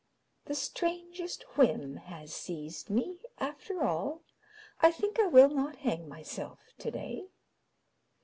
The strangest whim has seized me ... After all I think I will not hang myself today.